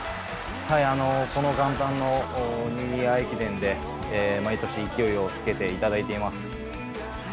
この元旦のニューイヤー駅伝で毎年勢いをつけていただいています。